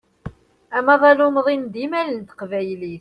Amaḍal umḍin d imal n teqbaylit.